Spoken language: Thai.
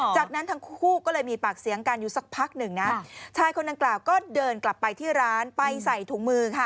จากนั้นทั้งคู่ก็เลยมีปากเสียงกันอยู่สักพักหนึ่งนะชายคนดังกล่าวก็เดินกลับไปที่ร้านไปใส่ถุงมือค่ะ